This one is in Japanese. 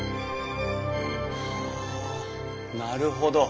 はあなるほど。